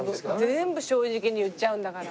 全部正直に言っちゃうんだから。